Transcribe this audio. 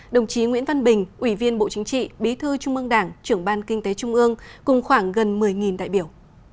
đồng chí nguyễn văn bình ủy viên bộ chính trị bí thư trung ương đảng trưởng ban kinh tế trung ương cùng khoảng gần một mươi đại biểu